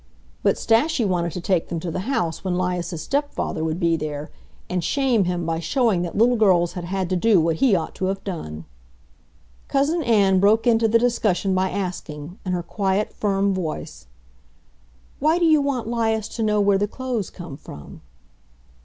But Stashie wanted to take them to the house when 'Lias's stepfather would be there, and shame him by showing that little girls had had to do what he ought to have done. Cousin Ann broke into the discussion by asking, in her quiet, firm voice, "Why do you want 'Lias to know where the clothes come from?"